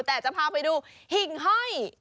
แต่จะพาไปดูหิ่งห้อย